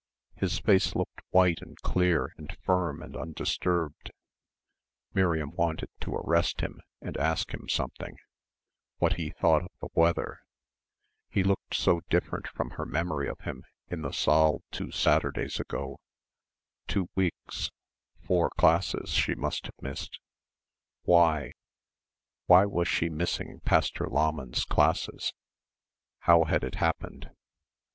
His face looked white and clear and firm and undisturbed, Miriam wanted to arrest him and ask him something what he thought of the weather he looked so different from her memory of him in the saal two Saturdays ago two weeks four classes she must have missed. Why? Why was she missing Pastor Lahmann's classes? How had it happened?